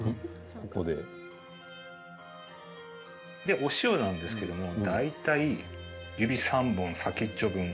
お塩なんですけれども大体、指３本、先っちょ分。